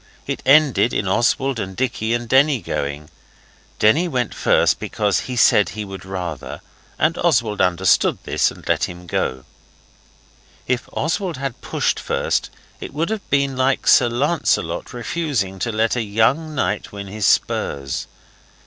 It ended in Oswald and Dicky and Denny going. Denny went first because he said he would rather and Oswald understood this and let him. If Oswald had pushed first it would have been like Sir Lancelot refusing to let a young knight win his spurs.